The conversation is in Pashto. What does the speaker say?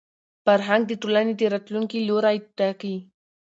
فرهنګ د ټولني د راتلونکي لوری ټاکي.